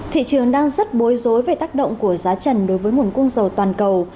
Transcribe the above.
thị trường đang rất bối rối về tác động của giá trần đối với nguồn cung dầu toàn cầu